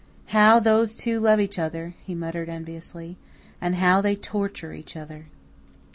"How those two love each other!" he muttered enviously. "And how they torture each other!"